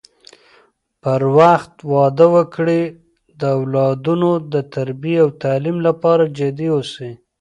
پر وخت واده وکړي د اولادونو د تربی او تعليم لپاره جدي اوسی